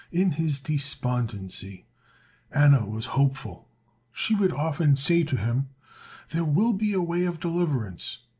In his despondency Anna was hopeful. She would often say to him, "There will be a way of deliverance.